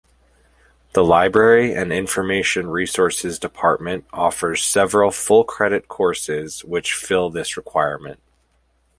The Library and Information Resources Department offers several full-credit courses which fill this requirement.